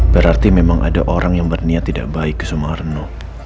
berarti memang ada orang yang berniat tidak baik ke sumarno